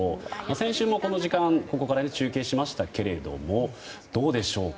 先週もこの時間ここから中継しましたけれどもどうでしょうか。